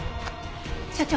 所長